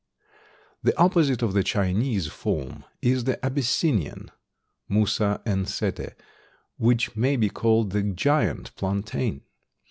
The opposite of the Chinese form is the Abyssinian (Musa ensete), which may be called the giant plantain.